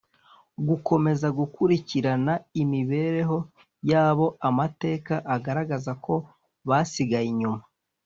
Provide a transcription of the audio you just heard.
Gukomeza gukurikirana imibereho y abo amateka agaragaza ko basigaye inyuma